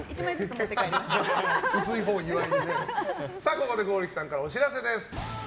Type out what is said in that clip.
ここで剛力さんからお知らせです。